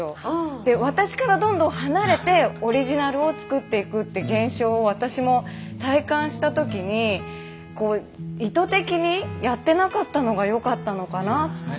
で私からどんどん離れてオリジナルを作っていくって現象を私も体感した時にこう意図的にやってなかったのがよかったのかなって。